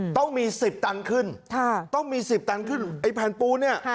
ต้องมี๑๐ตันขึ้นต้องมี๑๐ตันขึ้นไอ้แผ่นปูนเนี่ย